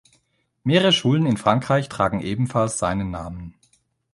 Mehrere Schulen in Frankreich tragen ebenfalls seinen Namen.